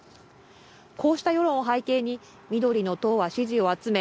こうした世論を背景に緑の党は支持を集め